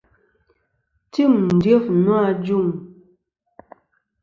Tim dyef nô ajuŋ.